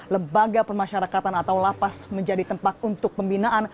lebaga permasyarakatan atau lapas menjadi tempat untuk pembinaan